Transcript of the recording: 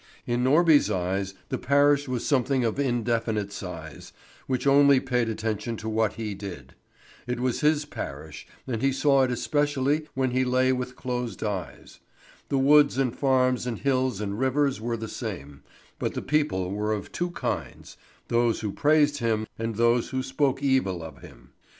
In Norby's eyes the parish was something of indefinite size, which only paid attention to what he did. It was his parish, and he saw it especially when he lay with closed eyes. The woods and farms and hills and rivers were the same, but the people were of two kinds those who praised him, and those who spoke evil of him.